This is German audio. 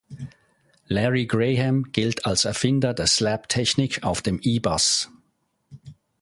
Larry Graham gilt als Erfinder der Slap-Technik auf dem E-Bass.